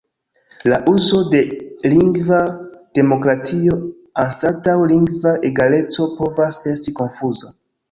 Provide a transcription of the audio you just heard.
La uzo de "lingva demokratio" anstataŭ "lingva egaleco" povas esti konfuza.